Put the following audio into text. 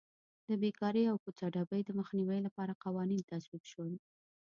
د بېکارۍ او کوڅه ډبۍ د مخنیوي لپاره قوانین تصویب شول.